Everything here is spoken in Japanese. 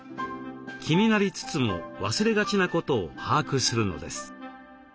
気になりつつも忘れがちなことを把握するのです。